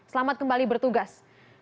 selamat kembali bertugas